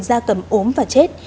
da cầm ốm và chết